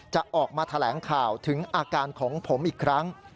จะออกมาแถลงข่าวถึงอาการของผมอีกครั้ง